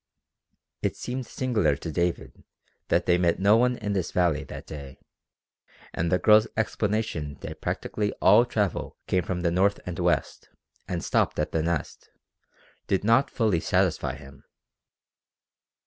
It seemed singular to David that they met no one in the valley that day, and the girl's explanation that practically all travel came from the north and west, and stopped at the Nest, did not fully satisfy him.